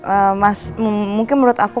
ee mas mungkin menurut aku